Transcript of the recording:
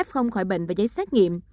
f khỏi bệnh và giấy xét nghiệm